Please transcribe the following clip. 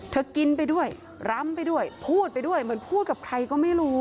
กินไปด้วยรำไปด้วยพูดไปด้วยเหมือนพูดกับใครก็ไม่รู้